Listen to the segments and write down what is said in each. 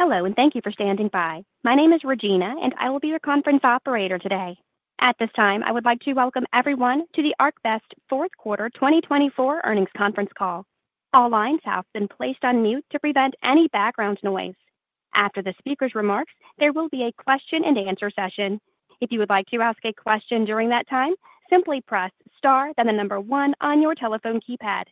Hello, and thank you for standing by. My name is Regina, and I will be your conference operator today. At this time, I would like to welcome everyone to the ArcBest Fourth Quarter 2024 earnings conference call. All lines have been placed on mute to prevent any background noise. After the speaker's remarks, there will be a question-and-answer session. If you would like to ask a question during that time, simply press Star, then the number one on your telephone keypad.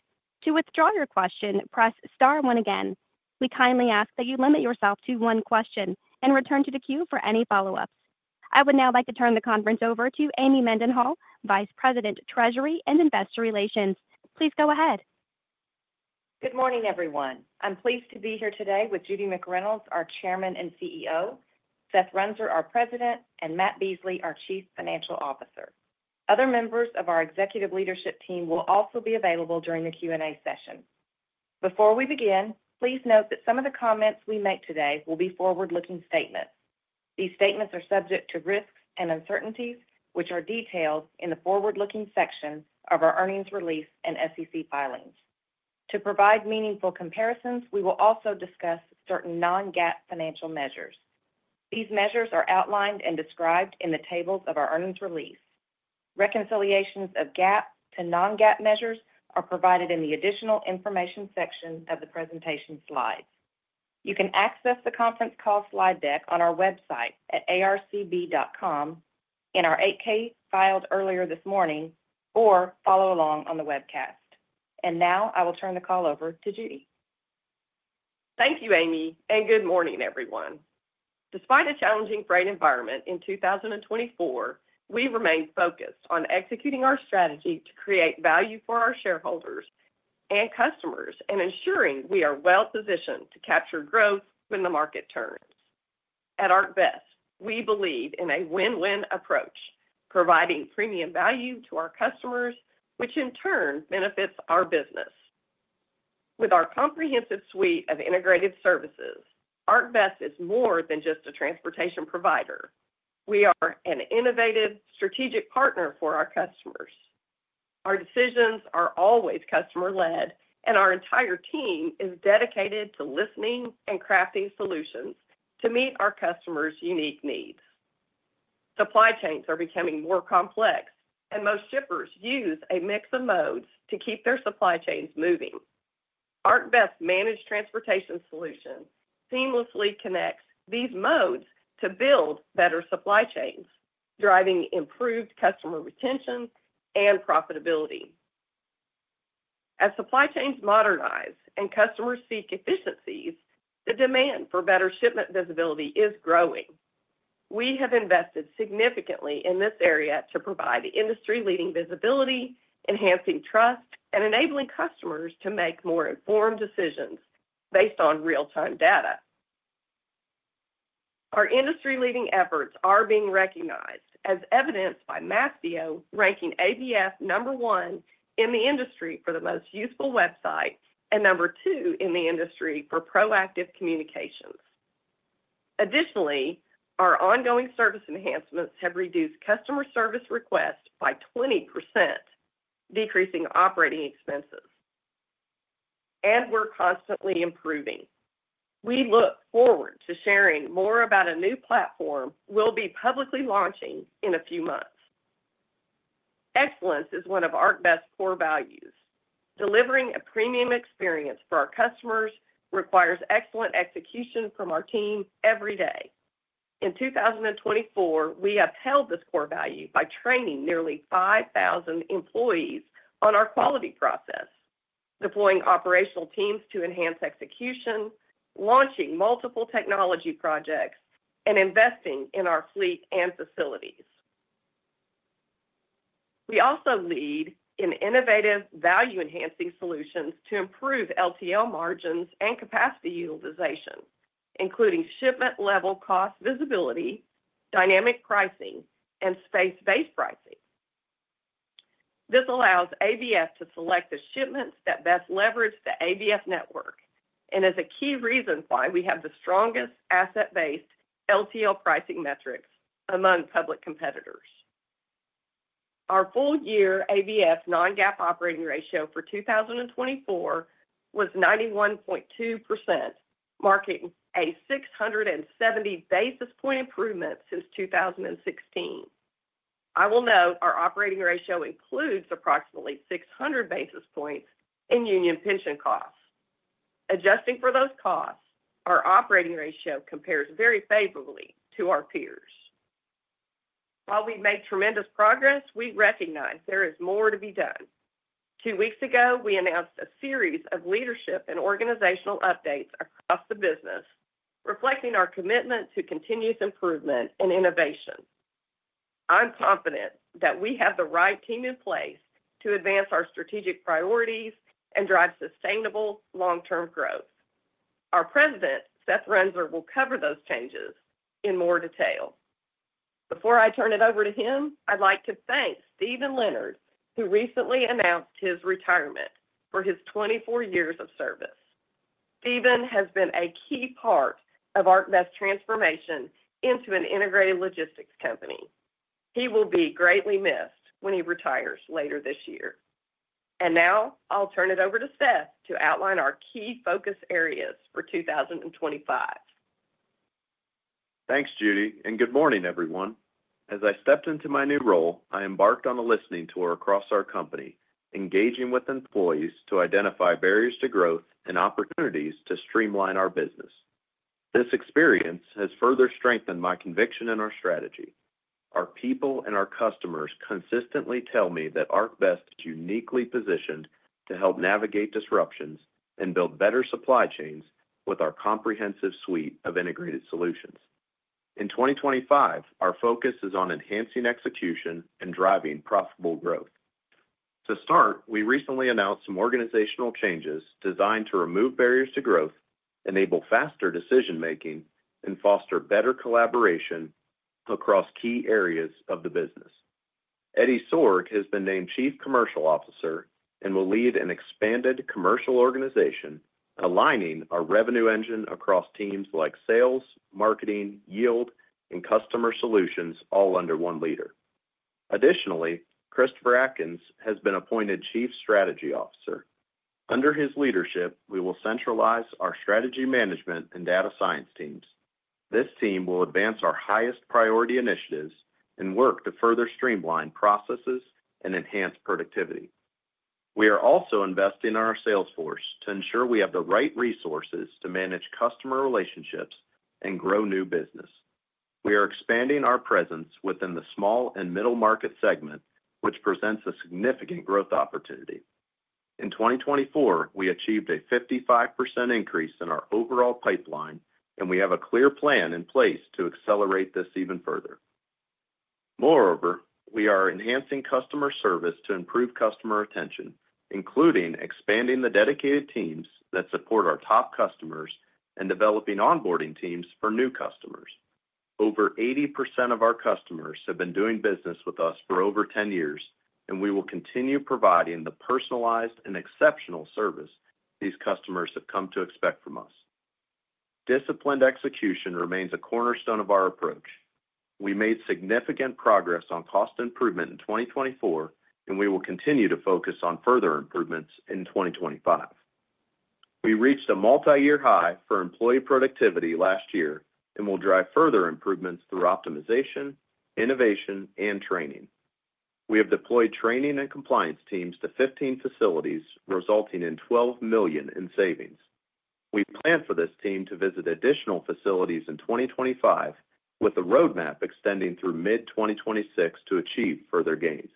To withdraw your question, press Star one again. We kindly ask that you limit yourself to one question and return to the queue for any follow-ups. I would now like to turn the conference over to Amy Mendenhall, Vice President, Treasury and Investor Relations. Please go ahead. Good morning, everyone. I'm pleased to be here today with Judy McReynolds, our Chairman and CEO, Seth Runser, our President, and Matt Beasley, our Chief Financial Officer. Other members of our executive leadership team will also be available during the Q&A session. Before we begin, please note that some of the comments we make today will be forward-looking statements. These statements are subject to risks and uncertainties, which are detailed in the forward-looking section of our earnings release and SEC filings. To provide meaningful comparisons, we will also discuss certain non-GAAP financial measures. These measures are outlined and described in the tables of our earnings release. Reconciliations of GAAP to non-GAAP measures are provided in the additional information section of the presentation slides. You can access the conference call slide deck on our website at arcb.com in our 8-K filed earlier this morning, or follow along on the webcast. Now, I will turn the call over to Judy. Thank you, Amy, and good morning, everyone. Despite a challenging freight environment in 2024, we remain focused on executing our strategy to create value for our shareholders and customers and ensuring we are well-positioned to capture growth when the market turns. At ArcBest, we believe in a win-win approach, providing premium value to our customers, which in turn benefits our business. With our comprehensive suite of integrated services, ArcBest is more than just a transportation provider. We are an innovative, strategic partner for our customers. Our decisions are always customer-led, and our entire team is dedicated to listening and crafting solutions to meet our customers' unique needs. Supply chains are becoming more complex, and most shippers use a mix of modes to keep their supply chains moving. ArcBest's managed transportation solution seamlessly connects these modes to build better supply chains, driving improved customer retention and profitability. As supply chains modernize and customers seek efficiencies, the demand for better shipment visibility is growing. We have invested significantly in this area to provide industry-leading visibility, enhancing trust, and enabling customers to make more informed decisions based on real-time data. Our industry-leading efforts are being recognized, as evidenced by Mastio & Company ranking ABF number one in the industry for the most useful website and number two in the industry for proactive communications. Additionally, our ongoing service enhancements have reduced customer service requests by 20%, decreasing operating expenses. We're constantly improving. We look forward to sharing more about a new platform we'll be publicly launching in a few months. Excellence is one of ArcBest's core values. Delivering a premium experience for our customers requires excellent execution from our team every day. In 2024, we have held this core value by training nearly 5,000 employees on our quality process, deploying operational teams to enhance execution, launching multiple technology projects, and investing in our fleet and facilities. We also lead in innovative, value-enhancing solutions to improve LTL margins and capacity utilization, including shipment-level cost visibility, dynamic pricing, and space-based pricing. This allows ABF to select the shipments that best leverage the ABF network and is a key reason why we have the strongest asset-based LTL pricing metrics among public competitors. Our full-year ABF non-GAAP operating ratio for 2024 was 91.2%, marking a 670 basis point improvement since 2016. I will note our operating ratio includes approximately 600 basis points in union pension costs. Adjusting for those costs, our operating ratio compares very favorably to our peers. While we've made tremendous progress, we recognize there is more to be done. Two weeks ago, we announced a series of leadership and organizational updates across the business, reflecting our commitment to continuous improvement and innovation. I'm confident that we have the right team in place to advance our strategic priorities and drive sustainable long-term growth. Our President, Seth Runser, will cover those changes in more detail. Before I turn it over to him, I'd like to thank Steven Leonard, who recently announced his retirement for his 24 years of service. Steven has been a key part of ArcBest's transformation into an integrated logistics company. He will be greatly missed when he retires later this year. And now, I'll turn it over to Seth to outline our key focus areas for 2025. Thanks, Judy, and good morning, everyone. As I stepped into my new role, I embarked on a listening tour across our company, engaging with employees to identify barriers to growth and opportunities to streamline our business. This experience has further strengthened my conviction in our strategy. Our people and our customers consistently tell me that ArcBest is uniquely positioned to help navigate disruptions and build better supply chains with our comprehensive suite of integrated solutions. In 2025, our focus is on enhancing execution and driving profitable growth. To start, we recently announced some organizational changes designed to remove barriers to growth, enable faster decision-making, and foster better collaboration across key areas of the business. Eddie Sorg has been named Chief Commercial Officer and will lead an expanded commercial organization, aligning our revenue engine across teams like sales, marketing, yield, and customer solutions all under one leader. Additionally, Christopher Adkins has been appointed Chief Strategy Officer. Under his leadership, we will centralize our strategy management and data science teams. This team will advance our highest priority initiatives and work to further streamline processes and enhance productivity. We are also investing in our sales force to ensure we have the right resources to manage customer relationships and grow new business. We are expanding our presence within the small and middle market segment, which presents a significant growth opportunity. In 2024, we achieved a 55% increase in our overall pipeline, and we have a clear plan in place to accelerate this even further. Moreover, we are enhancing customer service to improve customer retention, including expanding the dedicated teams that support our top customers and developing onboarding teams for new customers. Over 80% of our customers have been doing business with us for over 10 years, and we will continue providing the personalized and exceptional service these customers have come to expect from us. Disciplined execution remains a cornerstone of our approach. We made significant progress on cost improvement in 2024, and we will continue to focus on further improvements in 2025. We reached a multi-year high for employee productivity last year and will drive further improvements through optimization, innovation, and training. We have deployed training and compliance teams to 15 facilities, resulting in $12 million in savings. We plan for this team to visit additional facilities in 2025, with the roadmap extending through mid-2026 to achieve further gains.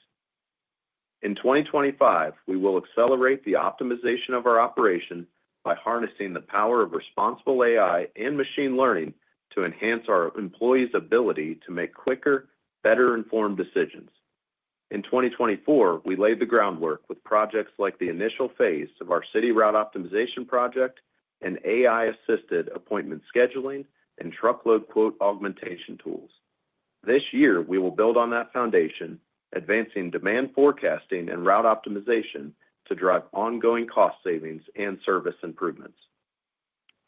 In 2025, we will accelerate the optimization of our operation by harnessing the power of responsible AI and machine learning to enhance our employees' ability to make quicker, better-informed decisions. In 2024, we laid the groundwork with projects like the initial phase of our city route optimization project and AI-assisted appointment scheduling and truckload quote augmentation tools. This year, we will build on that foundation, advancing demand forecasting and route optimization to drive ongoing cost savings and service improvements.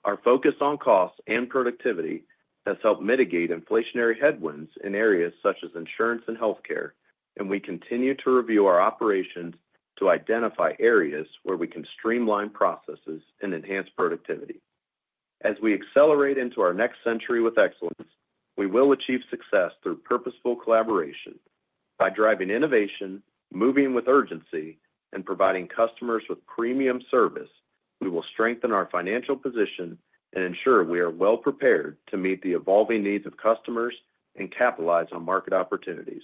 Our focus on costs and productivity has helped mitigate inflationary headwinds in areas such as insurance and healthcare, and we continue to review our operations to identify areas where we can streamline processes and enhance productivity. As we accelerate into our next century with excellence, we will achieve success through purposeful collaboration. By driving innovation, moving with urgency, and providing customers with premium service, we will strengthen our financial position and ensure we are well-prepared to meet the evolving needs of customers and capitalize on market opportunities.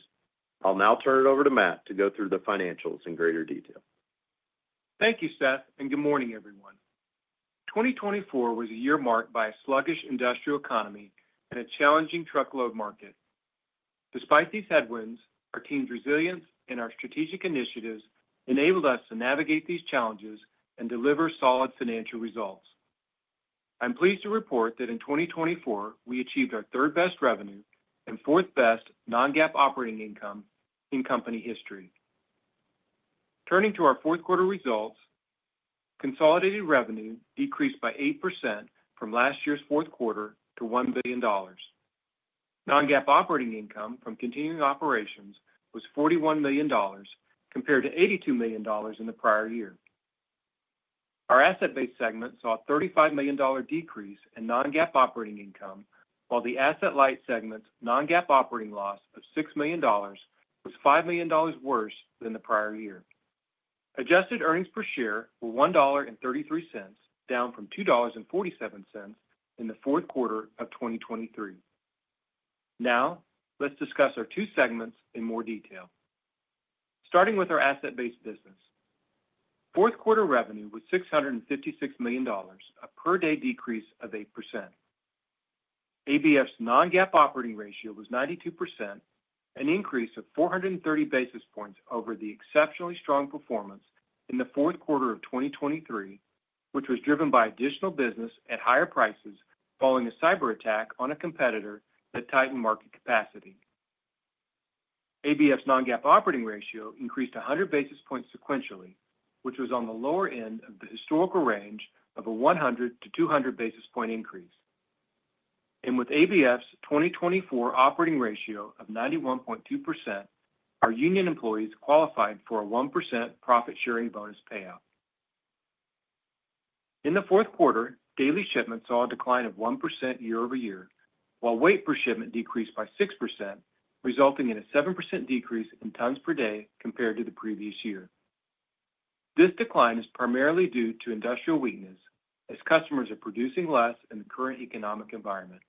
I'll now turn it over to Matt to go through the financials in greater detail. Thank you, Seth, and good morning, everyone. 2024 was a year marked by a sluggish industrial economy and a challenging truckload market. Despite these headwinds, our team's resilience and our strategic initiatives enabled us to navigate these challenges and deliver solid financial results. I'm pleased to report that in 2024, we achieved our third-best revenue and fourth-best non-GAAP operating income in company history. Turning to our fourth quarter results, consolidated revenue decreased by 8% from last year's fourth quarter to $1 billion. Non-GAAP operating income from continuing operations was $41 million, compared to $82 million in the prior year. Our asset-based segment saw a $35 million decrease in non-GAAP operating income, while the asset-light segment's non-GAAP operating loss of $6 million was $5 million worse than the prior year. Adjusted earnings per share were $1.33, down from $2.47 in the fourth quarter of 2023. Now, let's discuss our two segments in more detail. Starting with our asset-based business, fourth quarter revenue was $656 million, a per-day decrease of 8%. ABF's non-GAAP operating ratio was 92%, an increase of 430 basis points over the exceptionally strong performance in the fourth quarter of 2023, which was driven by additional business at higher prices following a cyber attack on a competitor that tightened market capacity. ABF's non-GAAP operating ratio increased 100 basis points sequentially, which was on the lower end of the historical range of a 100 to 200 basis point increase, and with ABF's 2024 operating ratio of 91.2%, our union employees qualified for a 1% profit-sharing bonus payout. In the fourth quarter, daily shipments saw a decline of 1% year over year, while weight per shipment decreased by 6%, resulting in a 7% decrease in tons per day compared to the previous year. This decline is primarily due to industrial weakness, as customers are producing less in the current economic environment.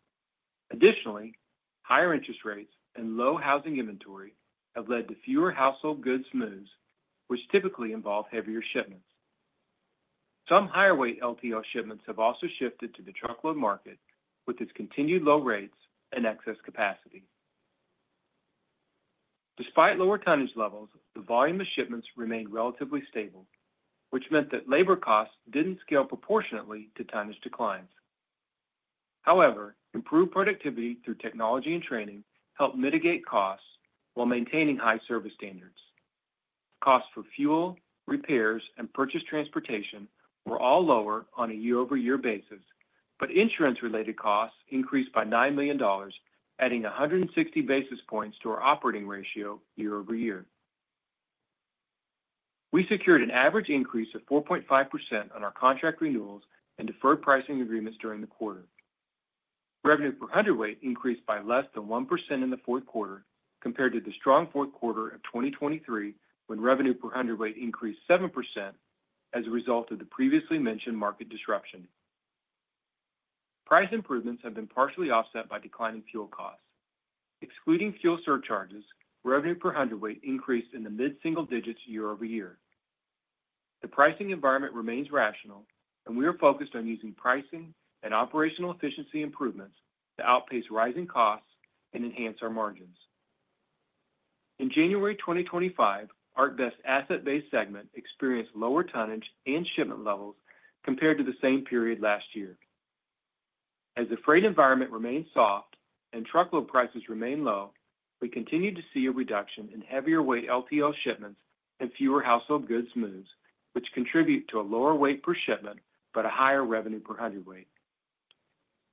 Additionally, higher interest rates and low housing inventory have led to fewer household goods moves, which typically involve heavier shipments. Some higher-weight LTL shipments have also shifted to the truckload market, with its continued low rates and excess capacity. Despite lower tonnage levels, the volume of shipments remained relatively stable, which meant that labor costs didn't scale proportionately to tonnage declines. However, improved productivity through technology and training helped mitigate costs while maintaining high service standards. Costs for fuel, repairs, and purchased transportation were all lower on a year-over-year basis, but insurance-related costs increased by $9 million, adding 160 basis points to our operating ratio year over year. We secured an average increase of 4.5% on our contract renewals and deferred pricing agreements during the quarter. Revenue per hundredweight increased by less than 1% in the fourth quarter, compared to the strong fourth quarter of 2023, when revenue per hundredweight increased 7% as a result of the previously mentioned market disruption. Price improvements have been partially offset by declining fuel costs. Excluding fuel surcharges, revenue per hundredweight increased in the mid-single digits year over year. The pricing environment remains rational, and we are focused on using pricing and operational efficiency improvements to outpace rising costs and enhance our margins. In January 2025, ArcBest's asset-based segment experienced lower tonnage and shipment levels compared to the same period last year. As the freight environment remains soft and truckload prices remain low, we continue to see a reduction in heavier-weight LTL shipments and fewer household goods moves, which contribute to a lower weight per shipment but a higher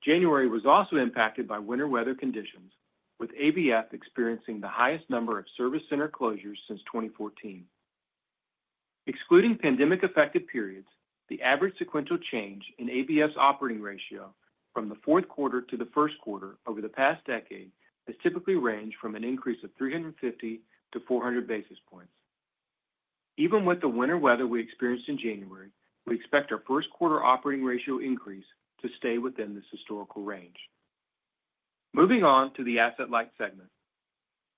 revenue per hundredweight. January was also impacted by winter weather conditions, with ABF experiencing the highest number of service center closures since 2014. Excluding pandemic-affected periods, the average sequential change in ABF's operating ratio from the fourth quarter to the first quarter over the past decade has typically ranged from an increase of 350-400 basis points. Even with the winter weather we experienced in January, we expect our first quarter operating ratio increase to stay within this historical range. Moving on to the asset-light segment,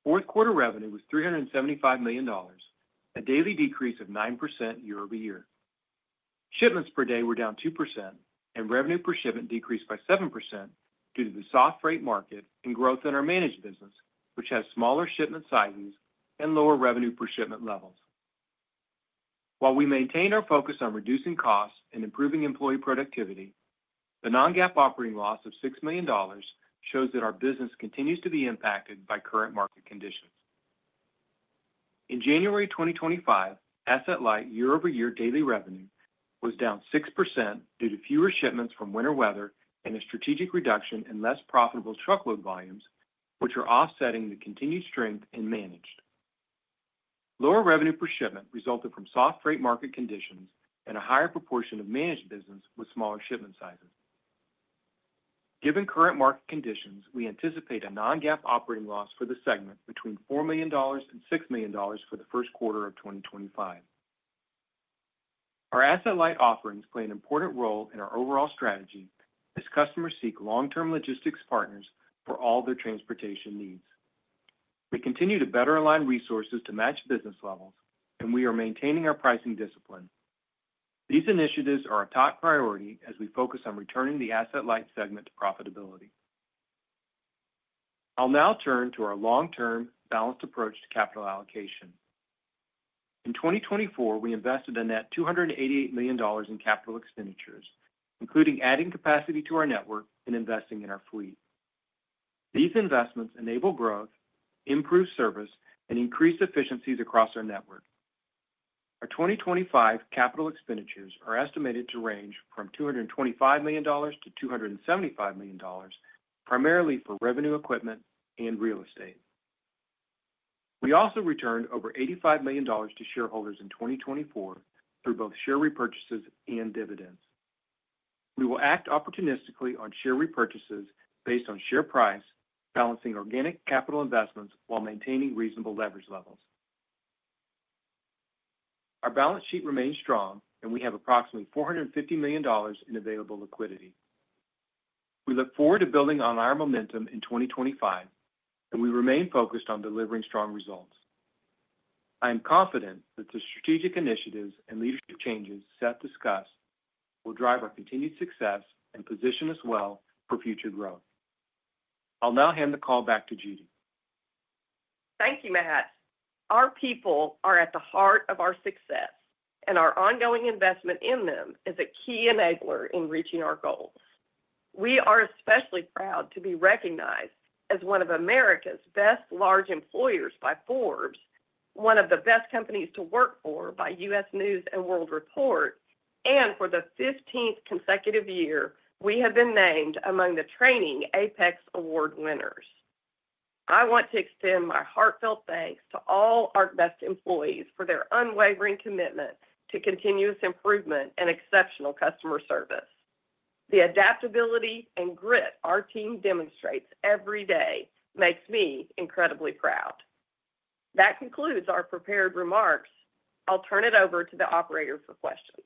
fourth quarter revenue was $375 million, a daily decrease of 9% year over year. Shipments per day were down 2%, and revenue per shipment decreased by 7% due to the soft freight market and growth in our managed business, which has smaller shipment sizes and lower revenue per shipment levels. While we maintain our focus on reducing costs and improving employee productivity, the non-GAAP operating loss of $6 million shows that our business continues to be impacted by current market conditions. In January 2025, asset-light year-over-year daily revenue was down 6% due to fewer shipments from winter weather and a strategic reduction in less profitable truckload volumes, which are offsetting the continued strength in managed. Lower revenue per shipment resulted from soft freight market conditions and a higher proportion of managed business with smaller shipment sizes. Given current market conditions, we anticipate a non-GAAP operating loss for the segment between $4 million and $6 million for the first quarter of 2025. Our asset-light offerings play an important role in our overall strategy as customers seek long-term logistics partners for all their transportation needs. We continue to better align resources to match business levels, and we are maintaining our pricing discipline. These initiatives are a top priority as we focus on returning the asset-light segment to profitability. I'll now turn to our long-term balanced approach to capital allocation. In 2024, we invested a net $288 million in capital expenditures, including adding capacity to our network and investing in our fleet. These investments enable growth, improve service, and increase efficiencies across our network. Our 2025 capital expenditures are estimated to range from $225 million-$275 million, primarily for revenue equipment and real estate. We also returned over $85 million to shareholders in 2024 through both share repurchases and dividends. We will act opportunistically on share repurchases based on share price, balancing organic capital investments while maintaining reasonable leverage levels. Our balance sheet remains strong, and we have approximately $450 million in available liquidity. We look forward to building on our momentum in 2025, and we remain focused on delivering strong results. I am confident that the strategic initiatives and leadership changes Seth discussed will drive our continued success and position us well for future growth. I'll now hand the call back to Judy. Thank you, Matt. Our people are at the heart of our success, and our ongoing investment in them is a key enabler in reaching our goals. We are especially proud to be recognized as one of America's best large employers by Forbes, one of the best companies to work for by U.S. News & World Report, and for the 15th consecutive year, we have been named among the Training Apex Award winners. I want to extend my heartfelt thanks to all ArcBest employees for their unwavering commitment to continuous improvement and exceptional customer service. The adaptability and grit our team demonstrates every day makes me incredibly proud. That concludes our prepared remarks. I'll turn it over to the operators for questions.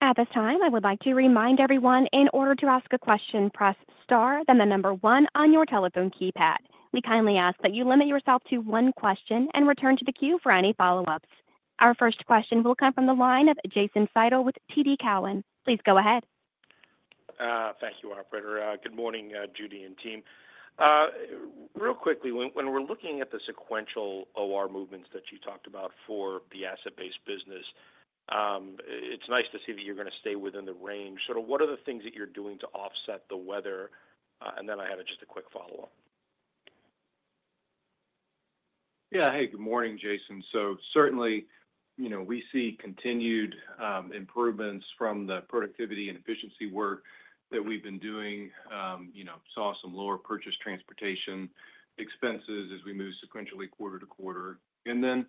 At this time, I would like to remind everyone in order to ask a question, press star, then the number one on your telephone keypad. We kindly ask that you limit yourself to one question and return to the queue for any follow-ups. Our first question will come from the line of Jason Seidl with TD Cowen. Please go ahead. Thank you, Operator. Good morning, Judy and team. Real quickly, when we're looking at the sequential OR movements that you talked about for the asset-based business, it's nice to see that you're going to stay within the range. Sort of what are the things that you're doing to offset the weather? And then I have just a quick follow-up. Yeah. Hey, good morning, Jason. So certainly, we see continued improvements from the productivity and efficiency work that we've been doing. Saw some lower purchase transportation expenses as we move sequentially quarter to quarter. And then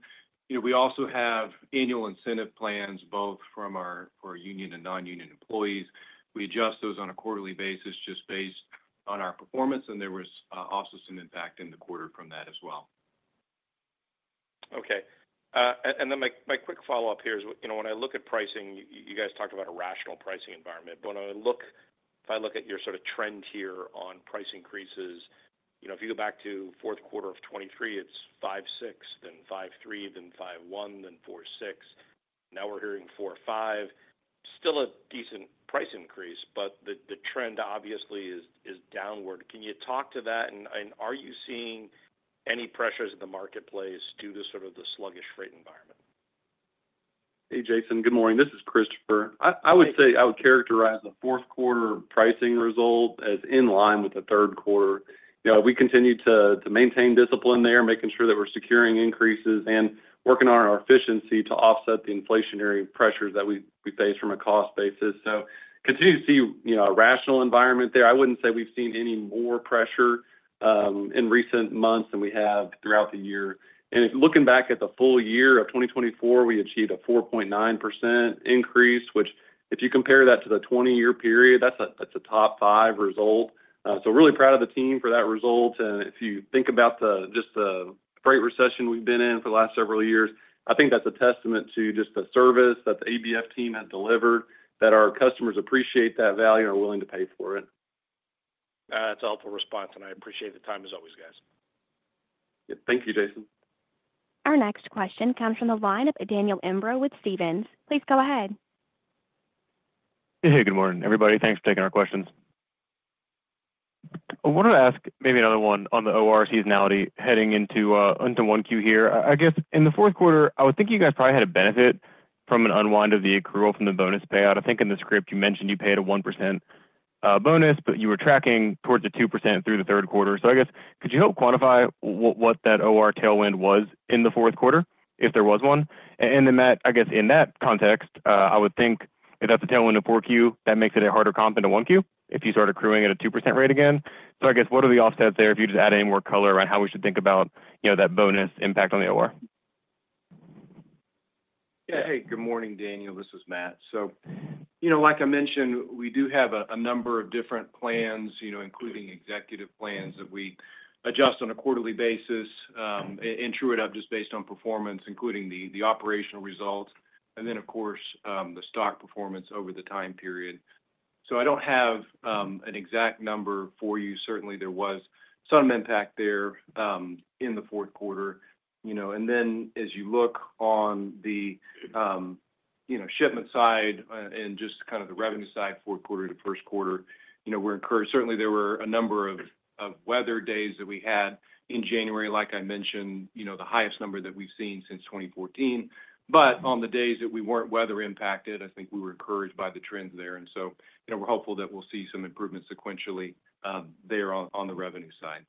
we also have annual incentive plans both for our union and non-union employees. We adjust those on a quarterly basis just based on our performance, and there was also some impact in the quarter from that as well. Okay. And then my quick follow-up here is when I look at pricing, you guys talked about a rational pricing environment. But when I look, if I look at your sort of trend here on price increases, if you go back to fourth quarter of 2023, it's 5.6%, then 5.3%, then 5.1%, then 4.6%. Now we're hearing 4.5%. Still a decent price increase, but the trend obviously is downward. Can you talk to that? And are you seeing any pressures in the marketplace due to sort of the sluggish freight environment? Hey, Jason. Good morning. This is Christopher. I would say I would characterize the fourth quarter pricing result as in line with the third quarter. We continue to maintain discipline there, making sure that we're securing increases and working on our efficiency to offset the inflationary pressures that we face from a cost basis. So continue to see a rational environment there. I wouldn't say we've seen any more pressure in recent months than we have throughout the year. And looking back at the full year of 2024, we achieved a 4.9% increase, which if you compare that to the 20-year period, that's a top five result. So really proud of the team for that result. If you think about just the freight recession we've been in for the last several years, I think that's a testament to just the service that the ABF team has delivered, that our customers appreciate that value and are willing to pay for it. That's a helpful response, and I appreciate the time as always, guys. Yeah. Thank you, Jason. Our next question comes from the line of Daniel Imbro with Stephens. Please go ahead. Hey, good morning, everybody. Thanks for taking our questions. I wanted to ask maybe another one on the OR seasonality heading into 1Q here. I guess in the fourth quarter, I would think you guys probably had a benefit from an unwind of the accrual from the bonus payout. I think in the script you mentioned you paid a 1% bonus, but you were tracking towards a 2% through the third quarter. So I guess, could you help quantify what that OR tailwind was in the fourth quarter, if there was one? And then, Matt, I guess in that context, I would think if that's a tailwind of 4Q, that makes it a harder comp than a 1Q if you start accruing at a 2% rate again. So I guess, what are the offsets there if you just add any more color around how we should think about that bonus impact on the OR? Yeah. Hey, good morning, Daniel. This is Matt. So like I mentioned, we do have a number of different plans, including executive plans that we adjust on a quarterly basis. In truth, it's just based on performance, including the operational results, and then, of course, the stock performance over the time period. So I don't have an exact number for you. Certainly, there was some impact there in the fourth quarter. And then as you look on the shipment side and just kind of the revenue side, fourth quarter to first quarter, we're encouraged. Certainly, there were a number of weather days that we had in January, like I mentioned, the highest number that we've seen since 2014. But on the days that we weren't weather impacted, I think we were encouraged by the trends there. And so we're hopeful that we'll see some improvement sequentially there on the revenue side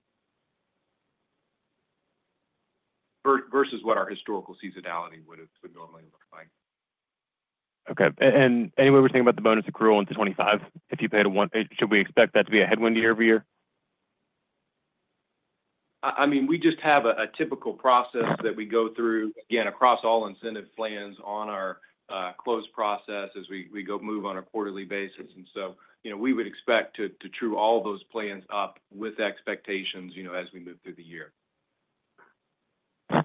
versus what our historical seasonality would normally look like. Okay. And anyway, we're talking about the bonus accrual into 2025. If you paid a one, should we expect that to be a headwind year over year? I mean, we just have a typical process that we go through, again, across all incentive plans on our close process as we go move on a quarterly basis. And so we would expect to true all those plans up with expectations as we move through the year.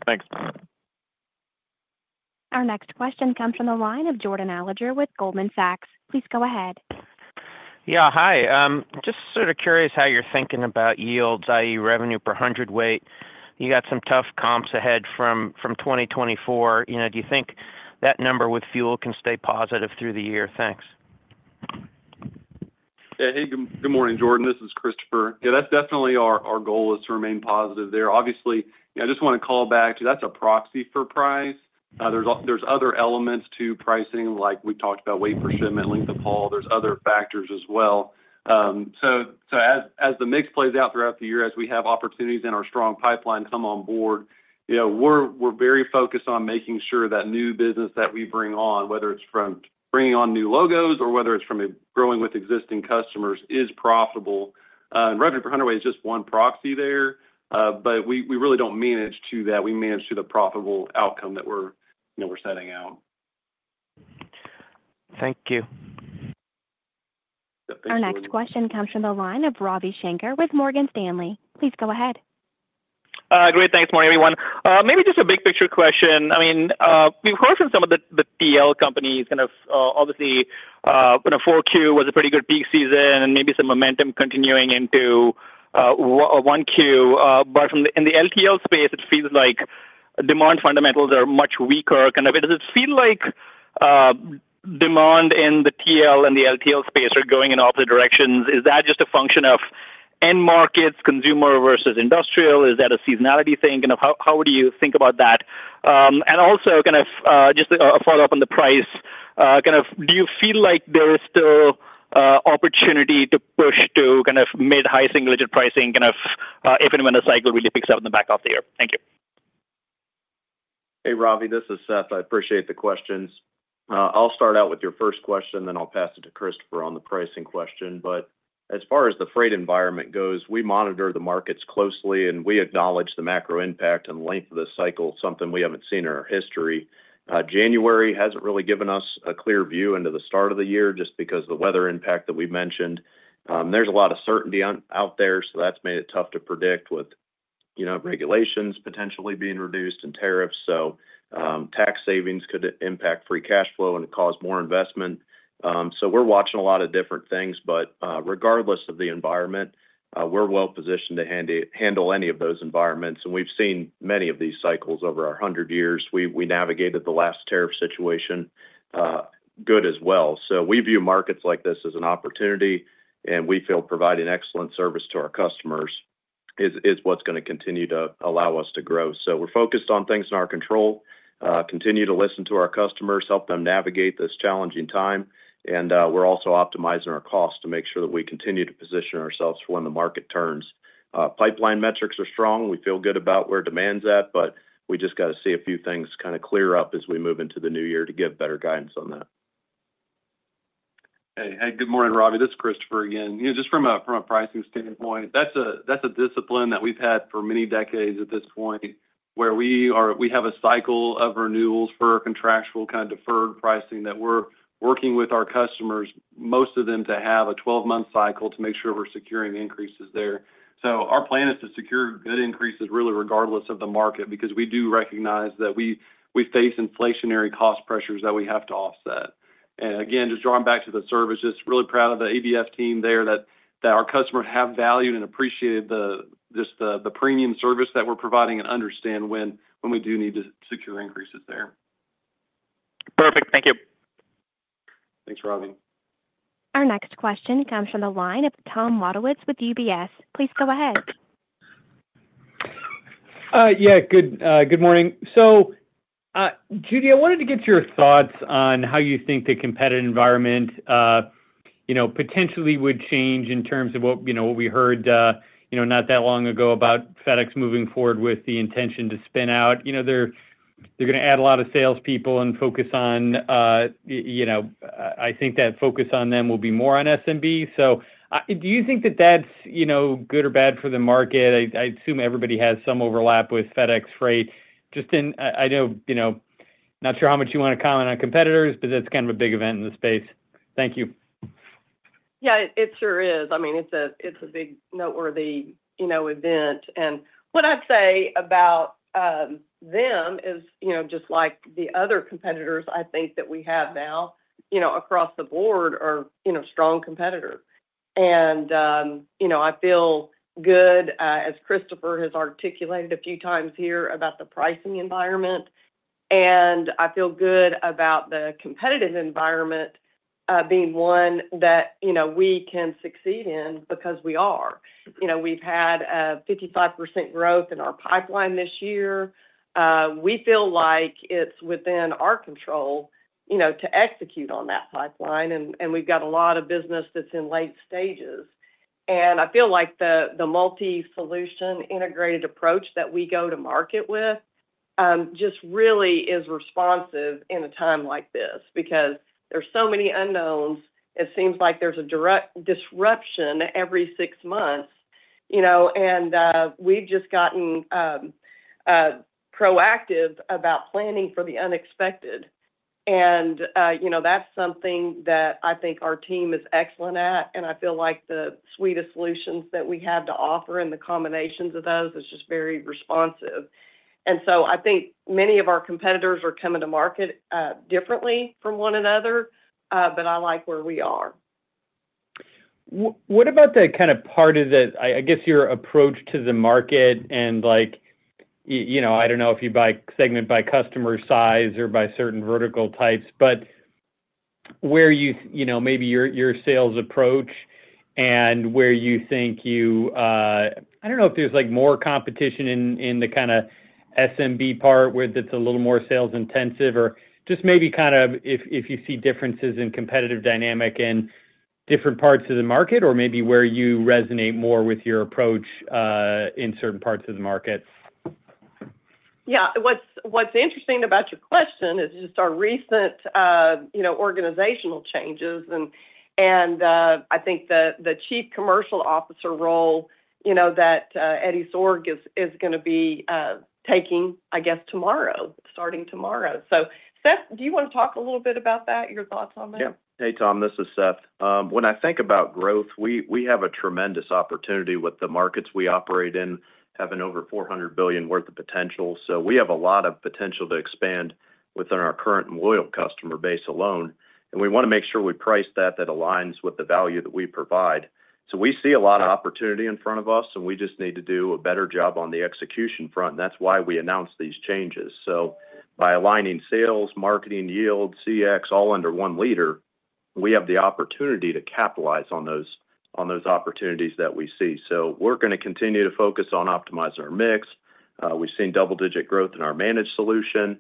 Thanks. Our next question comes from the line of Jordan Alliger with Goldman Sachs. Please go ahead. Yeah. Hi. Just sort of curious how you're thinking about yields, i.e., revenue per hundredweight. You got some tough comps ahead from 2024. Do you think that number with fuel can stay positive through the year? Thanks. Yeah. Hey, good morning, Jordan. This is Christopher. Yeah, that's definitely our goal is to remain positive there. Obviously, I just want to call back to that's a proxy for price. There's other elements to pricing, like we talked about weight per shipment, length of haul. There's other factors as well. So as the mix plays out throughout the year, as we have opportunities in our strong pipeline come on board, we're very focused on making sure that new business that we bring on, whether it's from bringing on new logos or whether it's from growing with existing customers, is profitable. And revenue per hundredweight is just one proxy there, but we really don't manage to that. We manage to the profitable outcome that we're setting out. Thank you. Our next question comes from the line of Ravi Shanker with Morgan Stanley. Please go ahead. Good morning, everyone. Maybe just a big picture question. I mean, we've heard from some of the TL companies kind of obviously when 4Q was a pretty good peak season and maybe some momentum continuing into 1Q. But in the LTL space, it feels like demand fundamentals are much weaker. Kind of does it feel like demand in the TL and the LTL space are going in opposite directions? Is that just a function of end markets, consumer versus industrial? Is that a seasonality thing? Kind of how would you think about that? And also kind of just a follow-up on the price. Kind of do you feel like there is still opportunity to push to kind of mid-high single-digit pricing kind of if and when the cycle really picks up in the back half of the year? Thank you. Hey, Robbie. This is Seth. I appreciate the questions. I'll start out with your first question, then I'll pass it to Christopher on the pricing question, but as far as the freight environment goes, we monitor the markets closely, and we acknowledge the macro impact and length of the cycle, something we haven't seen in our history. January hasn't really given us a clear view into the start of the year just because of the weather impact that we mentioned. There's a lot of uncertainty out there, so that's made it tough to predict with regulations potentially being reduced and tariffs. So tax savings could impact free cash flow and cause more investment. So we're watching a lot of different things, but regardless of the environment, we're well-positioned to handle any of those environments, and we've seen many of these cycles over our 100 years. We navigated the last tariff situation good as well. So we view markets like this as an opportunity, and we feel providing excellent service to our customers is what's going to continue to allow us to grow. So we're focused on things in our control, continue to listen to our customers, help them navigate this challenging time, and we're also optimizing our costs to make sure that we continue to position ourselves for when the market turns. Pipeline metrics are strong. We feel good about where demand's at, but we just got to see a few things kind of clear up as we move into the new year to give better guidance on that. Hey, good morning, Robbie. This is Christopher again. Just from a pricing standpoint, that's a discipline that we've had for many decades at this point where we have a cycle of renewals for our contractual kind of deferred pricing that we're working with our customers, most of them to have a 12-month cycle to make sure we're securing increases there. So our plan is to secure good increases really regardless of the market because we do recognize that we face inflationary cost pressures that we have to offset. And again, just drawing back to the service, just really proud of the ABF team there that our customers have valued and appreciated just the premium service that we're providing and understand when we do need to secure increases there. Perfect. Thank you. Thanks, Robbie. Our next question comes from the line of Tom Wadewitz with UBS. Please go ahead. Yeah. Good morning. So Judy, I wanted to get your thoughts on how you think the competitive environment potentially would change in terms of what we heard not that long ago about FedEx moving forward with the intention to spin out. They're going to add a lot of salespeople and focus on. I think that focus on them will be more on SMB. So do you think that that's good or bad for the market? I assume everybody has some overlap with FedEx Freight. Just I know not sure how much you want to comment on competitors, but that's kind of a big event in the space. Thank you. Yeah, it sure is. I mean, it's a big noteworthy event, and what I'd say about them is just like the other competitors, I think that we have now across the board are strong competitors, and I feel good, as Christopher has articulated a few times here about the pricing environment, and I feel good about the competitive environment being one that we can succeed in because we are. We've had a 55% growth in our pipeline this year. We feel like it's within our control to execute on that pipeline, and we've got a lot of business that's in late stages, and I feel like the multi-solution integrated approach that we go to market with just really is responsive in a time like this because there's so many unknowns. It seems like there's a direct disruption every six months, and we've just gotten proactive about planning for the unexpected. And that's something that I think our team is excellent at, and I feel like the suite of solutions that we have to offer and the combinations of those is just very responsive. And so I think many of our competitors are coming to market differently from one another, but I like where we are. What about the kind of part of the, I guess, your approach to the market? And I don't know if you segment by customer size or by certain vertical types, but where maybe your sales approach and where you think you I don't know if there's more competition in the kind of SMB part where it's a little more sales-intensive or just maybe kind of if you see differences in competitive dynamic in different parts of the market or maybe where you resonate more with your approach in certain parts of the market. Yeah. What's interesting about your question is just our recent organizational changes and I think the Chief Commercial Officer role that Eddie Sorg is going to be taking, I guess, tomorrow, starting tomorrow, so Seth, do you want to talk a little bit about that, your thoughts on that? Yeah. Hey, Tom. This is Seth. When I think about growth, we have a tremendous opportunity with the markets we operate in, having over $400 billion worth of potential. So we have a lot of potential to expand within our current loyal customer base alone. And we want to make sure we price that aligns with the value that we provide. So we see a lot of opportunity in front of us, and we just need to do a better job on the execution front. And that's why we announced these changes. So by aligning sales, marketing, yield, CX, all under one leader, we have the opportunity to capitalize on those opportunities that we see. So we're going to continue to focus on optimizing our mix. We've seen double-digit growth in our managed solution.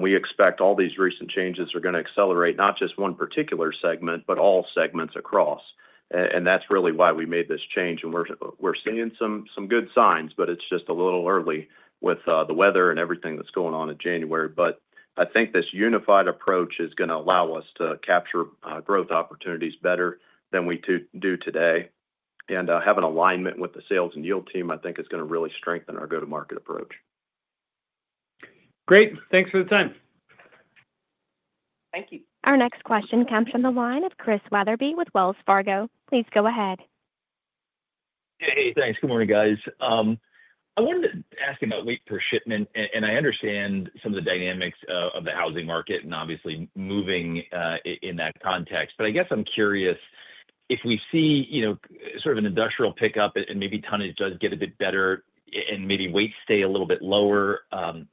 We expect all these recent changes are going to accelerate not just one particular segment, but all segments across, and that's really why we made this change, and we're seeing some good signs, but it's just a little early with the weather and everything that's going on in January, but I think this unified approach is going to allow us to capture growth opportunities better than we do today, and having alignment with the sales and yield team, I think, is going to really strengthen our go-to-market approach. Great. Thanks for the time. Thank you. Our next question comes from the line of Chris Wetherbee with Wells Fargo. Please go ahead. Yeah. Hey, thanks. Good morning, guys. I wanted to ask about weight per shipment, and I understand some of the dynamics of the housing market and obviously moving in that context. But I guess I'm curious if we see sort of an industrial pickup and maybe tonnage does get a bit better and maybe weights stay a little bit lower,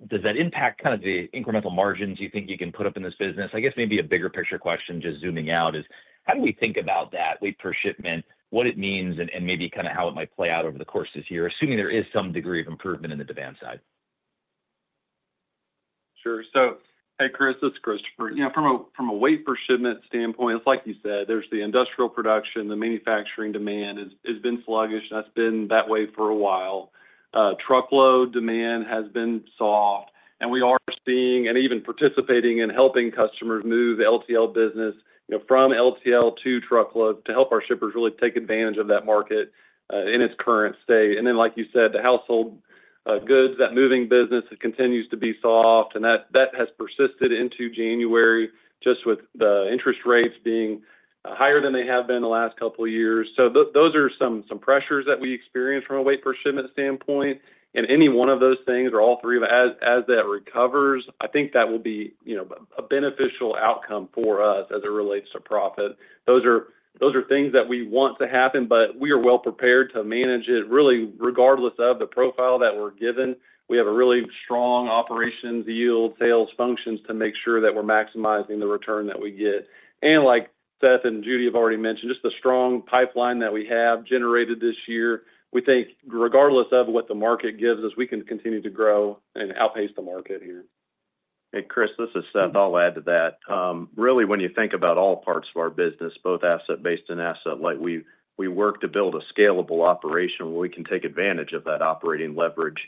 does that impact kind of the incremental margins you think you can put up in this business? I guess maybe a bigger picture question, just zooming out, is how do we think about that weight per shipment, what it means, and maybe kind of how it might play out over the course of this year, assuming there is some degree of improvement in the demand side? Sure. So hey, Chris, this is Christopher. From a weight per shipment standpoint, it's like you said, there's the industrial production. The manufacturing demand has been sluggish, and that's been that way for a while. Truckload demand has been soft. And we are seeing and even participating in helping customers move the LTL business from LTL to truckload to help our shippers really take advantage of that market in its current state. And then, like you said, the household goods, that moving business, it continues to be soft. And that has persisted into January just with the interest rates being higher than they have been the last couple of years. So those are some pressures that we experience from a weight per shipment standpoint. And any one of those things or all three of them as that recovers, I think that will be a beneficial outcome for us as it relates to profit. Those are things that we want to happen, but we are well-prepared to manage it really regardless of the profile that we're given. We have a really strong operations, yield, sales functions to make sure that we're maximizing the return that we get, and like Seth and Judy have already mentioned, just the strong pipeline that we have generated this year, we think regardless of what the market gives us, we can continue to grow and outpace the market here. Hey, Chris, this is Seth. I'll add to that. Really, when you think about all parts of our business, both asset-based and asset-light, we work to build a scalable operation where we can take advantage of that operating leverage.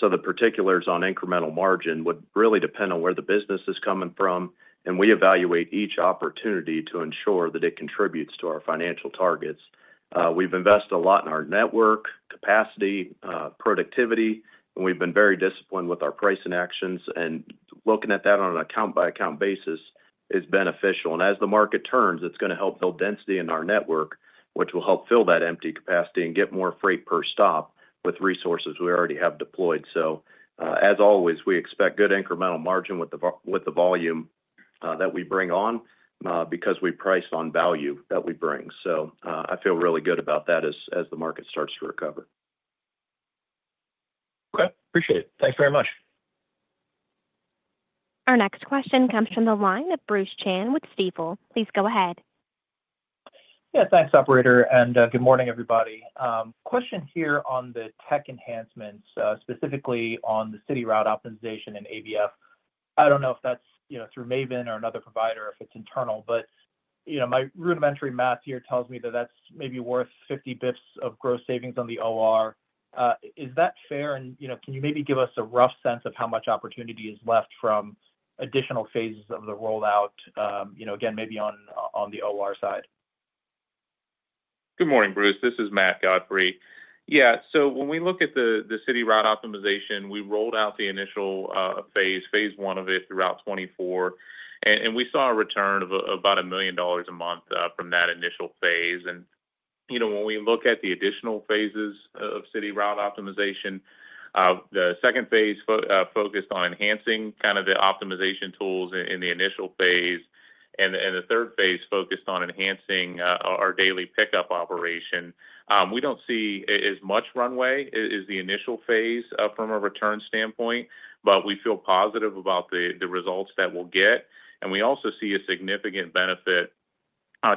So the particulars on incremental margin would really depend on where the business is coming from, and we evaluate each opportunity to ensure that it contributes to our financial targets. We've invested a lot in our network, capacity, productivity, and we've been very disciplined with our pricing actions. And looking at that on an account-by-account basis is beneficial. And as the market turns, it's going to help build density in our network, which will help fill that empty capacity and get more freight per stop with resources we already have deployed. So as always, we expect good incremental margin with the volume that we bring on because we price on value that we bring. So I feel really good about that as the market starts to recover. Okay. Appreciate it. Thanks very much. Our next question comes from the line of Bruce Chan with Stifel. Please go ahead. Yeah. Thanks, operator. And good morning, everybody. Question here on the tech enhancements, specifically on the city route optimization in ABF. I don't know if that's through Maven or another provider or if it's internal, but my rudimentary math here tells me that that's maybe worth 50 basis points of gross savings on the OR. Is that fair? And can you maybe give us a rough sense of how much opportunity is left from additional phases of the rollout, again, maybe on the OR side? Good morning, Bruce. This is Matt Godfrey. Yeah. So when we look at the city route optimization, we rolled out the initial phase, phase one of it throughout 2024, and we saw a return of about $1 million a month from that initial phase. And when we look at the additional phases of city route optimization, the second phase focused on enhancing kind of the optimization tools in the initial phase, and the third phase focused on enhancing our daily pickup operation. We don't see as much runway as the initial phase from a return standpoint, but we feel positive about the results that we'll get. And we also see a significant benefit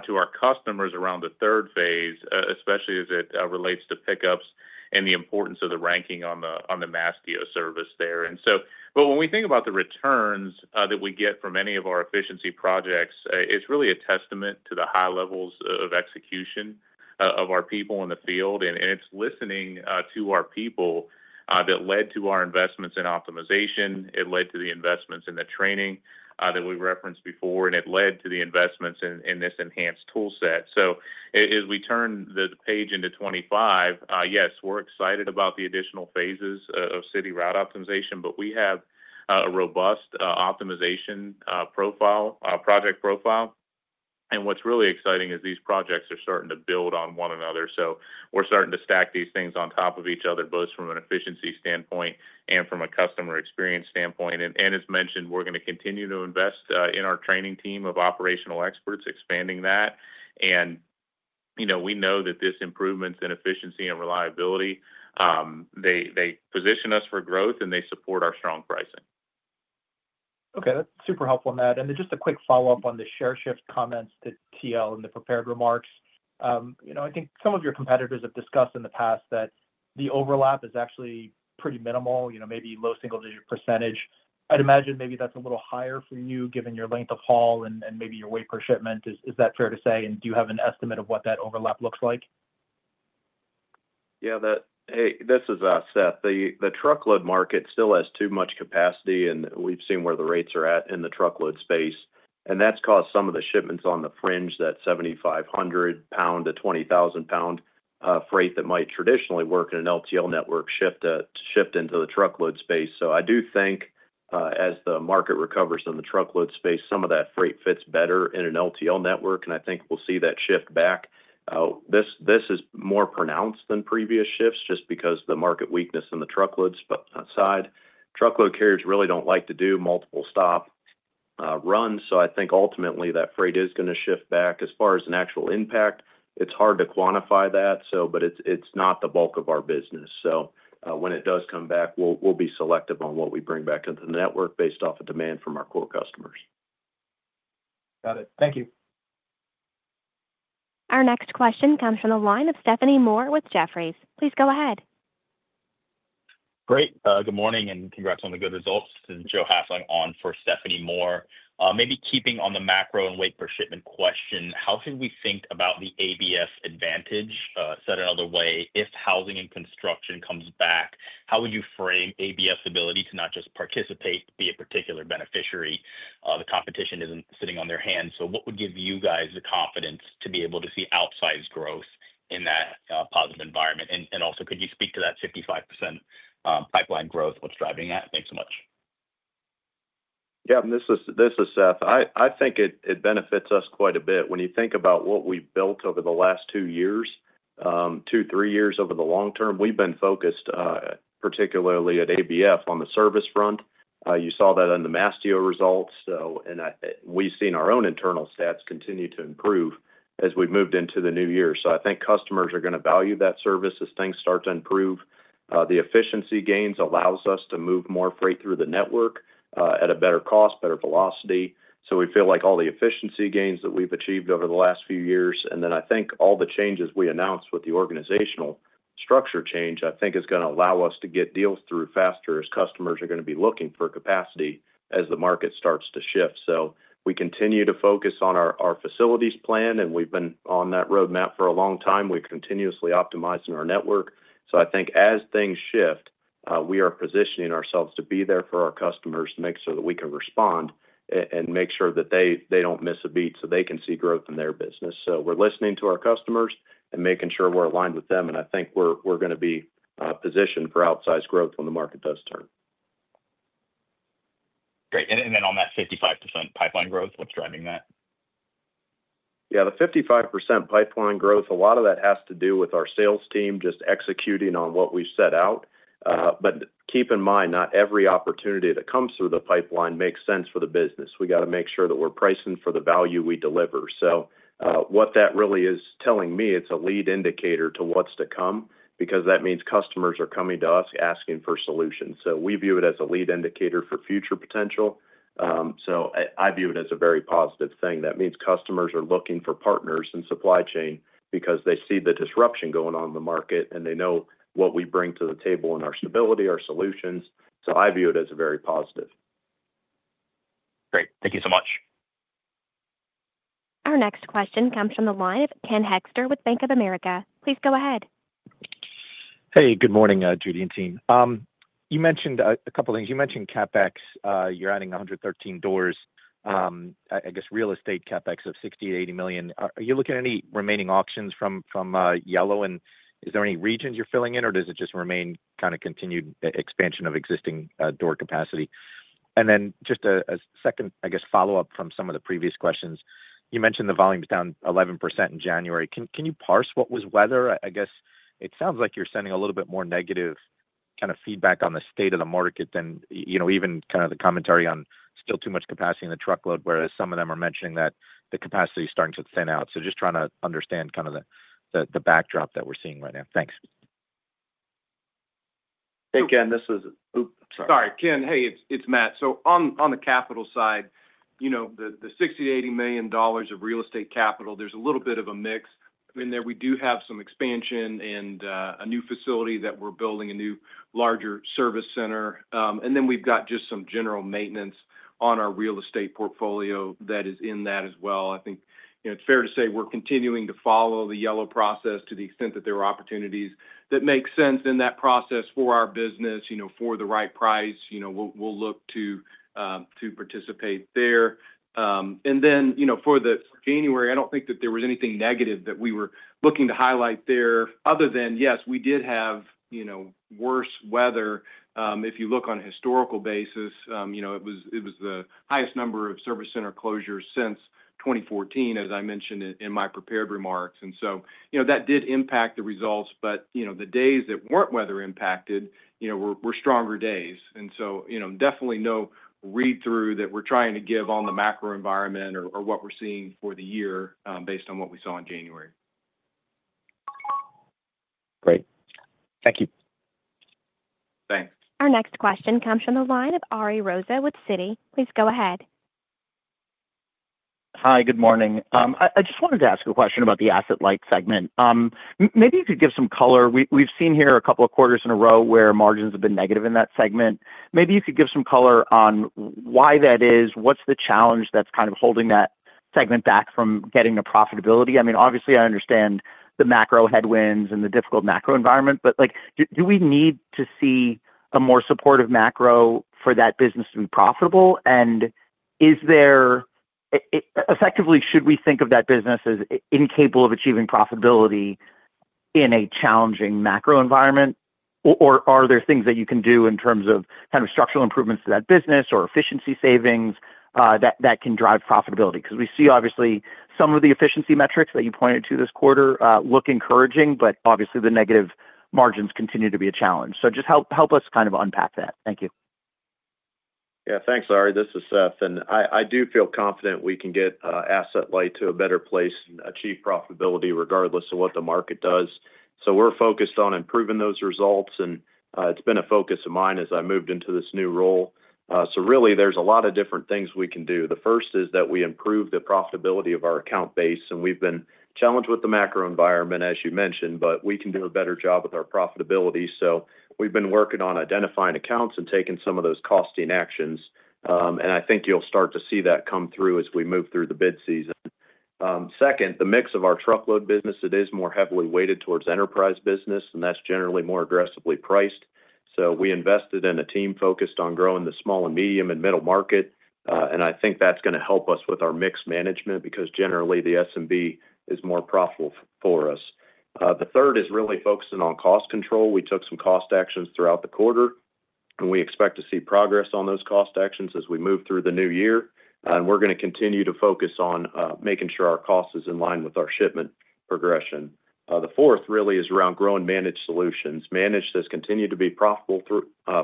to our customers around the third phase, especially as it relates to pickups and the importance of the ranking on the Mastio service there. And so, but when we think about the returns that we get from any of our efficiency projects, it's really a testament to the high levels of execution of our people in the field. And it's listening to our people that led to our investments in optimization. It led to the investments in the training that we referenced before, and it led to the investments in this enhanced toolset. So as we turn the page into 2025, yes, we're excited about the additional phases of city route optimization, but we have a robust optimization project profile. And what's really exciting is these projects are starting to build on one another. So we're starting to stack these things on top of each other, both from an efficiency standpoint and from a customer experience standpoint. As mentioned, we're going to continue to invest in our training team of operational experts, expanding that. We know that these improvements in efficiency and reliability, they position us for growth, and they support our strong pricing. Okay. That's super helpful on that. And just a quick follow-up on the share shift comments to TL and the prepared remarks. I think some of your competitors have discussed in the past that the overlap is actually pretty minimal, maybe low single-digit %. I'd imagine maybe that's a little higher for you given your length of haul and maybe your weight per shipment. Is that fair to say? And do you have an estimate of what that overlap looks like? Yeah. Hey, this is Seth. The truckload market still has too much capacity, and we've seen where the rates are at in the truckload space. And that's caused some of the shipments on the fringe, that 7,500-lbs to 20,000-lbs freight that might traditionally work in an LTL network, shift into the truckload space. So I do think as the market recovers in the truckload space, some of that freight fits better in an LTL network, and I think we'll see that shift back. This is more pronounced than previous shifts just because of the market weakness in the truckload side. Truckload carriers really don't like to do multiple-stop runs. So I think ultimately that freight is going to shift back. As far as an actual impact, it's hard to quantify that, but it's not the bulk of our business. So when it does come back, we'll be selective on what we bring back into the network based off of demand from our core customers. Got it. Thank you. Our next question comes from the line of Stephanie Moore with Jefferies. Please go ahead. Great. Good morning and congrats on the good results. This is Joe Hafling on for Stephanie Moore. Maybe keeping on the macro and weight per shipment question, how should we think about the ABF advantage? Said another way, if housing and construction comes back, how would you frame ABF's ability to not just participate, be a particular beneficiary? The competition isn't sitting on their hands. So what would give you guys the confidence to be able to see outsized growth in that positive environment? And also, could you speak to that 55% pipeline growth? What's driving that? Thanks so much. Yeah. This is Seth. I think it benefits us quite a bit. When you think about what we've built over the last two years, two, three years over the long term, we've been focused particularly at ABF on the service front. You saw that in the Mastio results. And we've seen our own internal stats continue to improve as we've moved into the new year. So I think customers are going to value that service as things start to improve. The efficiency gains allow us to move more freight through the network at a better cost, better velocity. So we feel like all the efficiency gains that we've achieved over the last few years, and then I think all the changes we announced with the organizational structure change, I think is going to allow us to get deals through faster as customers are going to be looking for capacity as the market starts to shift. So we continue to focus on our facilities plan, and we've been on that roadmap for a long time. We're continuously optimizing our network. So I think as things shift, we are positioning ourselves to be there for our customers to make sure that we can respond and make sure that they don't miss a beat so they can see growth in their business. So we're listening to our customers and making sure we're aligned with them. And I think we're going to be positioned for outsized growth when the market does turn. Great. And then on that 55% pipeline growth, what's driving that? Yeah. The 55% pipeline growth, a lot of that has to do with our sales team just executing on what we've set out. But keep in mind, not every opportunity that comes through the pipeline makes sense for the business. We got to make sure that we're pricing for the value we deliver. So what that really is telling me, it's a lead indicator to what's to come because that means customers are coming to us asking for solutions. So we view it as a lead indicator for future potential. So I view it as a very positive thing. That means customers are looking for partners in supply chain because they see the disruption going on in the market, and they know what we bring to the table in our stability, our solutions. So I view it as a very positive. Great. Thank you so much. Our next question comes from the line of Ken Hoexter with Bank of America. Please go ahead. Hey, good morning, Judy and team. You mentioned a couple of things. You mentioned CapEx. You're adding 113 doors, I guess, real estate CapEx of $60 million-$80 million. Are you looking at any remaining auctions from Yellow? And is there any regions you're filling in, or does it just remain kind of continued expansion of existing door capacity? And then just a second, I guess, follow-up from some of the previous questions. You mentioned the volume's down 11% in January. Can you parse what was weather? I guess it sounds like you're sending a little bit more negative kind of feedback on the state of the market than even kind of the commentary on still too much capacity in the truckload, whereas some of them are mentioning that the capacity is starting to thin out. So just trying to understand kind of the backdrop that we're seeing right now. Thanks. Hey, Ken. Oops, sorry. Sorry, Ken. Hey, it's Matt. So on the capital side, the $60 million-$80 million of real estate capital, there's a little bit of a mix in there. We do have some expansion and a new facility that we're building, a new larger service center. And then we've got just some general maintenance on our real estate portfolio that is in that as well. I think it's fair to say we're continuing to follow the Yellow process to the extent that there are opportunities that make sense in that process for our business. For the right price, we'll look to participate there. And then for January, I don't think that there was anything negative that we were looking to highlight there other than, yes, we did have worse weather. If you look on a historical basis, it was the highest number of service center closures since 2014, as I mentioned in my prepared remarks, and so that did impact the results, but the days that weren't weather impacted were stronger days, and so definitely no read-through that we're trying to give on the macro environment or what we're seeing for the year based on what we saw in January. Great. Thank you. Thanks. Our next question comes from the line of Ari Rosa with Citi. Please go ahead. Hi, good morning. I just wanted to ask a question about the asset-light segment. Maybe you could give some color. We've seen here a couple of quarters in a row where margins have been negative in that segment. Maybe you could give some color on why that is, what's the challenge that's kind of holding that segment back from getting the profitability? I mean, obviously, I understand the macro headwinds and the difficult macro environment, but do we need to see a more supportive macro for that business to be profitable? And effectively, should we think of that business as incapable of achieving profitability in a challenging macro environment? Or are there things that you can do in terms of kind of structural improvements to that business or efficiency savings that can drive profitability? Because we see, obviously, some of the efficiency metrics that you pointed to this quarter look encouraging, but obviously, the negative margins continue to be a challenge. So just help us kind of unpack that. Thank you. Yeah. Thanks, Ari. This is Seth. And I do feel confident we can get asset-light to a better place and achieve profitability regardless of what the market does. So we're focused on improving those results, and it's been a focus of mine as I moved into this new role. So really, there's a lot of different things we can do. The first is that we improve the profitability of our account base. And we've been challenged with the macro environment, as you mentioned, but we can do a better job with our profitability. So we've been working on identifying accounts and taking some of those costing actions. And I think you'll start to see that come through as we move through the bid season. Second, the mix of our truckload business, it is more heavily weighted towards enterprise business, and that's generally more aggressively priced. So we invested in a team focused on growing the small and medium and middle market. And I think that's going to help us with our mixed management because generally, the SMB is more profitable for us. The third is really focusing on cost control. We took some cost actions throughout the quarter, and we expect to see progress on those cost actions as we move through the new year. And we're going to continue to focus on making sure our cost is in line with our shipment progression. The fourth really is around growing managed solutions. Managed has continued to be profitable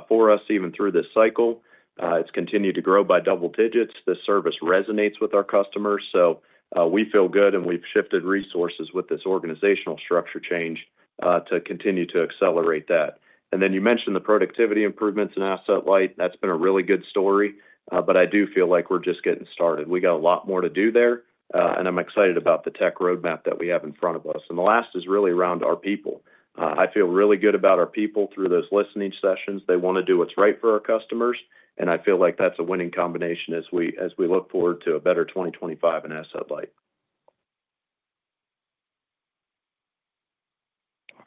for us even through this cycle. It's continued to grow by double digits. The service resonates with our customers. So we feel good, and we've shifted resources with this organizational structure change to continue to accelerate that. And then you mentioned the productivity improvements in asset-light. That's been a really good story, but I do feel like we're just getting started. We got a lot more to do there, and I'm excited about the tech roadmap that we have in front of us, and the last is really around our people. I feel really good about our people through those listening sessions. They want to do what's right for our customers, and I feel like that's a winning combination as we look forward to a better 2025 in asset-light.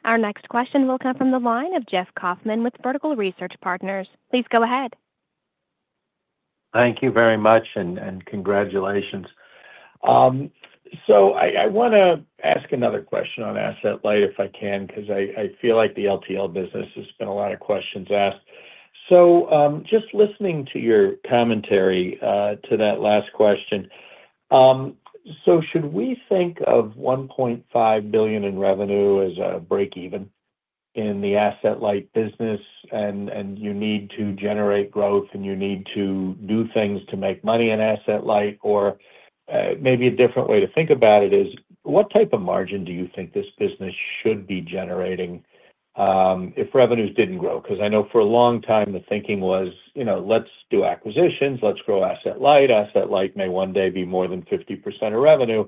Our next question will come from the line of Jeff Kauffman with Vertical Research Partners. Please go ahead. Thank you very much, and congratulations. I want to ask another question on asset-light if I can because I feel like the LTL business has been a lot of questions asked. Just listening to your commentary to that last question, should we think of $1.5 billion in revenue as a break-even in the asset-light business, and you need to generate growth, and you need to do things to make money in asset-light? Or maybe a different way to think about it is, what type of margin do you think this business should be generating if revenues didn't grow? Because I know for a long time, the thinking was, "Let's do acquisitions. Let's grow asset-light. Asset-light may one day be more than 50% of revenue."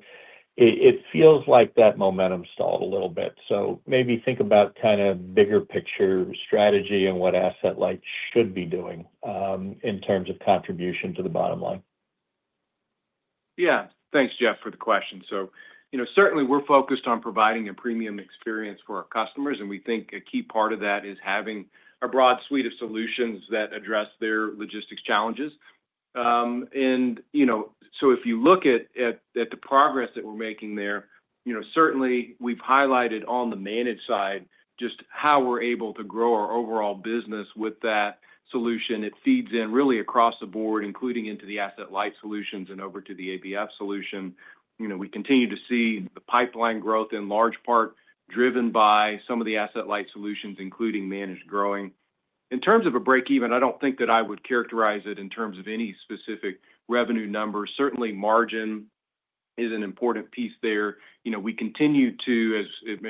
It feels like that momentum stalled a little bit. So maybe think about kind of bigger picture strategy and what asset-light should be doing in terms of contribution to the bottom line. Yeah. Thanks, Jeff, for the question. So certainly, we're focused on providing a premium experience for our customers, and we think a key part of that is having a broad suite of solutions that address their logistics challenges. And so if you look at the progress that we're making there, certainly, we've highlighted on the managed side just how we're able to grow our overall business with that solution. It feeds in really across the board, including into the asset-light solutions and over to the ABF solution. We continue to see the pipeline growth in large part driven by some of the asset-light solutions, including managed growing. In terms of a break-even, I don't think that I would characterize it in terms of any specific revenue numbers. Certainly, margin is an important piece there. We continue to,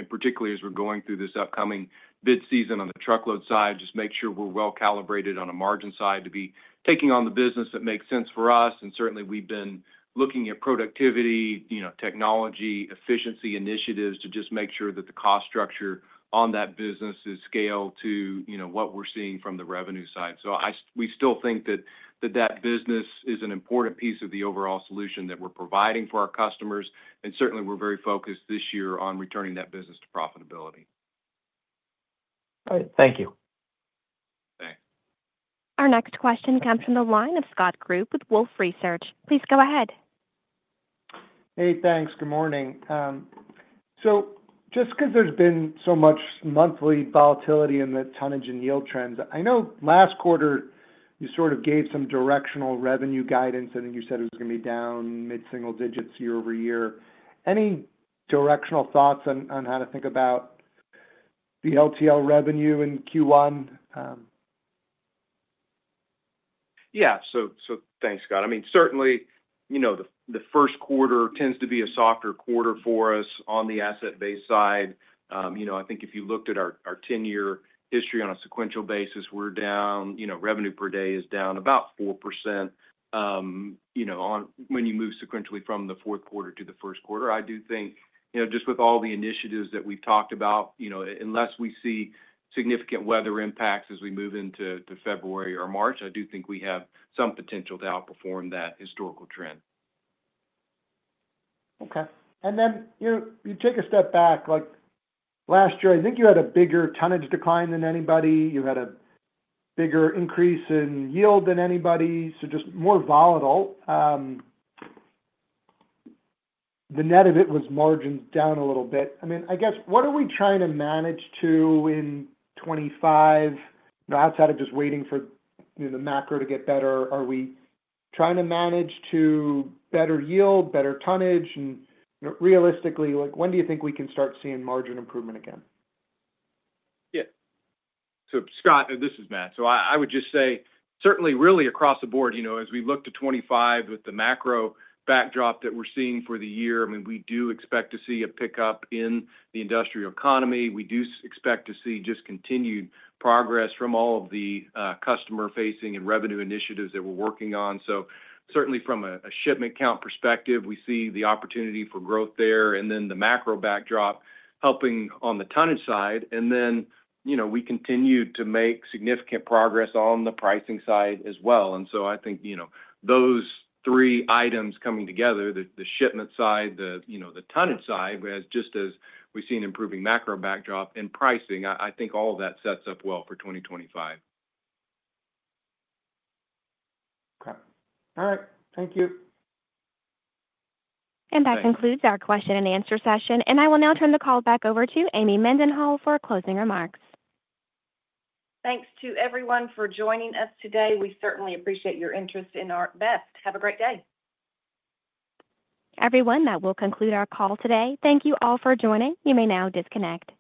particularly as we're going through this upcoming bid season on the truckload side, just make sure we're well calibrated on a margin side to be taking on the business that makes sense for us. And certainly, we've been looking at productivity, technology, efficiency initiatives to just make sure that the cost structure on that business is scaled to what we're seeing from the revenue side. So we still think that that business is an important piece of the overall solution that we're providing for our customers. And certainly, we're very focused this year on returning that business to profitability. All right. Thank you. Thanks. Our next question comes from the line of Scott Group with Wolfe Research. Please go ahead. Hey, thanks. Good morning. So just because there's been so much monthly volatility in the tonnage and yield trends, I know last quarter, you sort of gave some directional revenue guidance, and then you said it was going to be down mid-single digits year over year. Any directional thoughts on how to think about the LTL revenue in Q1? Yeah. So thanks, Scott. I mean, certainly, the first quarter tends to be a softer quarter for us on the asset-based side. I think if you looked at our 10-year history on a sequential basis, we're down. Revenue per day is down about 4% when you move sequentially from the fourth quarter to the first quarter. I do think just with all the initiatives that we've talked about, unless we see significant weather impacts as we move into February or March, I do think we have some potential to outperform that historical trend. Okay. And then you take a step back. Last year, I think you had a bigger tonnage decline than anybody. You had a bigger increase in yield than anybody. So just more volatile. The net of it was margins down a little bit. I mean, I guess, what are we trying to manage to in 2025 outside of just waiting for the macro to get better? Are we trying to manage to better yield, better tonnage? And realistically, when do you think we can start seeing margin improvement again? Yeah. So Scott, this is Matt. So I would just say, certainly, really across the board, as we look to 2025 with the macro backdrop that we're seeing for the year, I mean, we do expect to see a pickup in the industrial economy. We do expect to see just continued progress from all of the customer-facing and revenue initiatives that we're working on. So certainly, from a shipment count perspective, we see the opportunity for growth there, and then the macro backdrop helping on the tonnage side. And then we continue to make significant progress on the pricing side as well. And so I think those three items coming together, the shipment side, the tonnage side, just as we've seen improving macro backdrop and pricing, I think all of that sets up well for 2025. Okay. All right. Thank you. And that concludes our question-and-answer session. And I will now turn the call back over to Amy Mendenhall for closing remarks. Thanks to everyone for joining us today. We certainly appreciate your interest in ArcBest. Have a great day. Everyone, that will conclude our call today. Thank you all for joining. You may now disconnect.